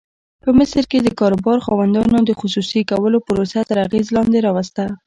په مصر کې د کاروبار خاوندانو د خصوصي کولو پروسه تر اغېز لاندې راوسته.